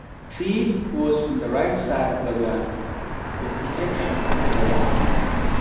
Feed was from right side of the gun, with ejection to the left.